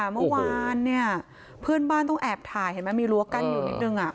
เมื่อวานเพื่อนบ้านต้องแอบถ่ายมีรั้วกั้นอยู่นิดหนึ่ง